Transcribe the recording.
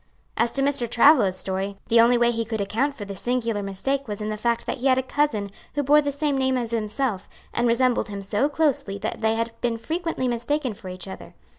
As to Mr. Travilla's story the only way he could account for the singular mistake was in the fact that he had a cousin who bore the same name as himself, and resembled him so closely that they had been frequently mistaken for each other.